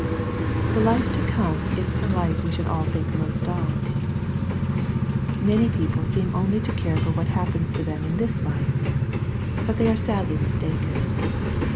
The life to come is the life we should all think most of. Many people seem only to care for what happens to them in this life. But they are sadly mistaken.